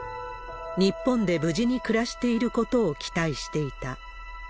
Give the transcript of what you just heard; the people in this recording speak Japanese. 日本で無事に暮らしていることを期待していた。